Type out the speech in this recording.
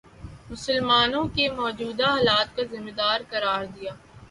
مسلمانوں کے موجودہ حالات کا ذمہ دار قرار دیا